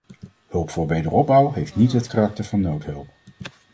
Hulp voor wederopbouw heeft niet het karakter van noodhulp.